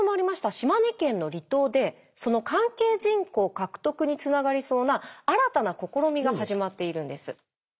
島根県の離島でその関係人口獲得につながりそうな新たな試みが始まっているんです。